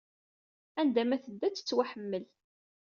Anda ma tedda, ad tettwaḥemmel.